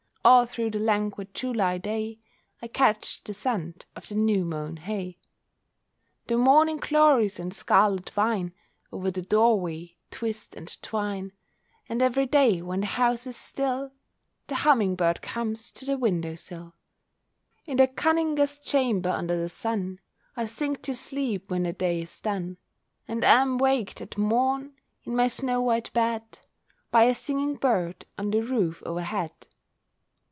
All through the languid July day I catch the scent of the new mown hay. The morning glories and scarlet vine Over the doorway twist and twine; And every day, when the house is still, The humming bird comes to the window sill. In the cunningest chamber under the sun I sink to sleep when the day is done; And am waked at morn, in my snow white bed, By a singing bird on the roof o'erhead.